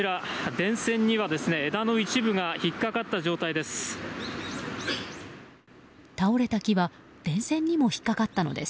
電線には枝の一部が引っかかった状態です。